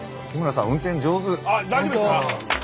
あっ大丈夫でしたか？